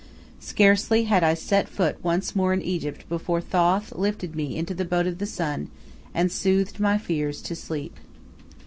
Scarcely had I set foot once more in Egypt before Thoth lifted me into the Boat of the sun and soothed my fears to sleep.